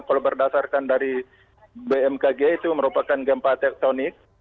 kalau berdasarkan dari bmkg itu merupakan gempa tektonik